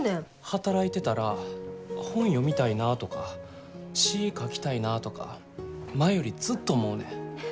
働いてたら本読みたいなとか詩書きたいなとか前よりずっと思うねん。